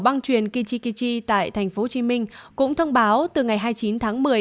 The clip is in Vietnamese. băng truyền kichikichi tại tp hcm cũng thông báo từ ngày hai mươi chín tháng một mươi